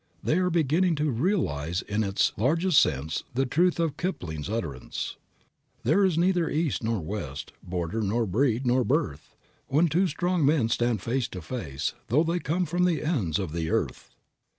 They are beginning to realize in its largest sense the truth of Kipling's utterance: "But there is neither East nor West, Border, nor Breed, nor Birth, When two strong men stand face to face, tho' they come from the ends of the earth."